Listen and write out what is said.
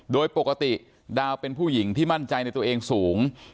โดยปกติดาวเป็นผู้หญิงที่มั่นใจในตัวเองสูง